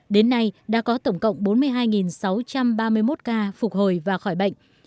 đến nay đã có tổng cộng bốn mươi hai sáu trăm ba mươi một ca phục hồi và khỏi bệnh